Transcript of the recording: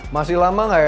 masih lama gak ya